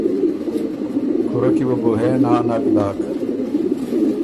کُورۀ کی وه بُو هې نا نک داک۔